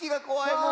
もう。